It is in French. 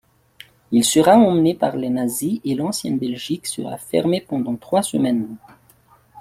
Il sera emmené par les nazis et l'Ancienne Belgique sera fermée pendant trois semaines.